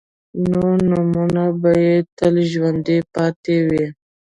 خو نومونه به يې تل ژوندي پاتې وي.